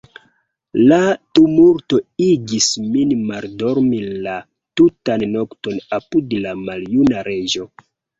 La tumulto igis min maldormi la tutan nokton apud la maljuna Reĝo.